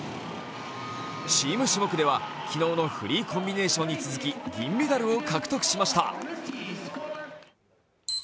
チーム種目では、昨日のフリーコンビネーションに続き銀メダルを獲得しました。